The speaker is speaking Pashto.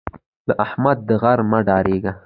له احمد د غور مه ډارېږه.